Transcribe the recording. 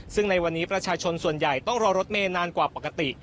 ซึ่งในวันนี้ประชาชนส่วนใหญ่ต้องรอรถเมย์นานกว่าปกติ